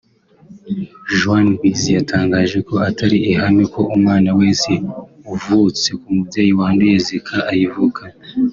Joan Guiz yatangaje ko atari ihame ko umwana wese uvutse ku mubyeyi wanduye Zika ayivukana